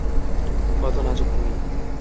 কতো নাজুক তুমি!